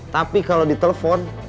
tapi kalau di telpon